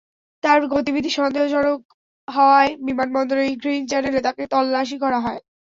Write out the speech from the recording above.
তাঁর গতিবিধি সন্দেহজনক হওয়ায় বিমানবন্দরের গ্রিন চ্যানেলে তাঁকে তল্লাশি করা হয়।